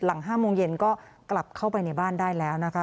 ๕โมงเย็นก็กลับเข้าไปในบ้านได้แล้วนะคะ